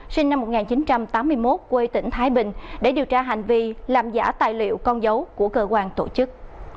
sinh năm một nghìn chín trăm tám mươi một quê tỉnh thái bình để điều tra hành vi làm giả tài liệu con dấu của cơ quan tổ chức